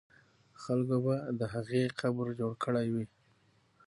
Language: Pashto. خلکو به د هغې قبر جوړ کړی وي.